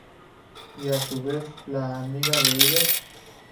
Y a su vez la amiga de ellas.